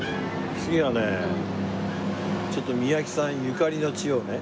次はねちょっと三宅さんゆかりの地をね。